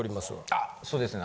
あっそうですね。